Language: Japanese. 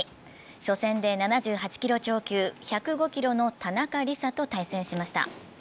初戦で７８キロ超級、１０５ｋｇの田中里沙と対戦しました。